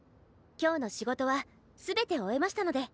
今日の仕事は全て終えましたので。